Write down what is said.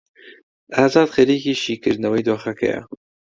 ئازاد خەریکی شیکردنەوەی دۆخەکەیە.